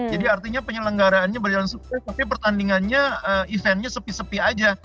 jadi artinya penyelenggaraannya berjalan sukses tapi pertandingannya eventnya sepi sepi aja